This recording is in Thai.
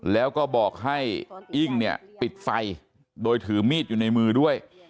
แล้วก็บอกให้อิ้งเนี่ยปิดไฟโดยถือมีดอยู่ในมือด้วย